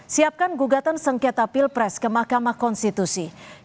siapkan gugatan sengketa pilpres ke mahkamah konstitusi